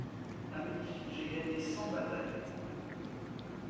Ami, j'ai gagné cent batailles